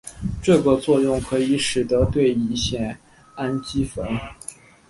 这个作用可以使得对乙酰氨基酚。